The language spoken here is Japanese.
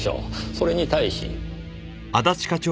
それに対し。